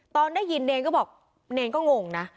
ตอนได้ยินเนรก็บอกเนรก็งงนะ